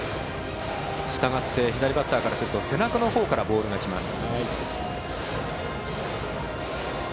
したがって左バッターからすると背中の方からボールが来ます。